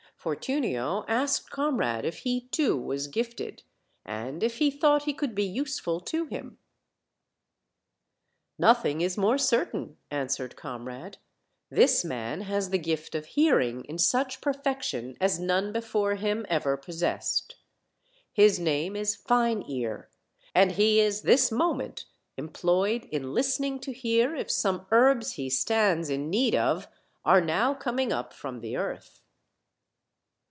Fortunio asked Comrade if he too was gifted, and if he thought he could be useful to him. "Nothing is more certain," answered Comrade. "This man has the gift of hearing in such perfection as none before him ever possessed; his name is Fine ear, and he is this moment employed in listening to hear if some herbs he stands in need of are now coming up from the earth."